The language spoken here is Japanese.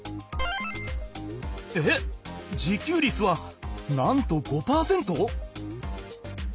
えっ自給率はなんと５％！？